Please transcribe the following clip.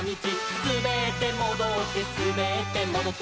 「すべってもどってすべってもどって」